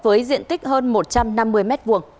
với diện tích hơn một trăm năm mươi m hai